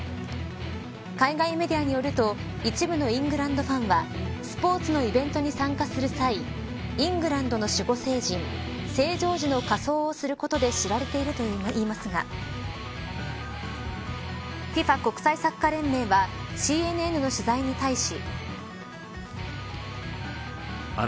海外メディアによると一部のイングランドファンはスポーツのイベントに参加する際イングランドの守護聖人聖ジョージの仮装をすることで知られているといいますがＦＩＦＡ国際サッカー連盟はＣＮＮの取材に対し。